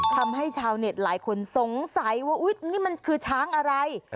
ทำให้ชาวเน็ตหลายคนสงสัยว่าอุ๊ยนี่มันคือช้างอะไร